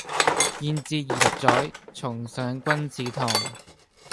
焉知二十載，重上君子堂。